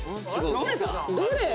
どれ？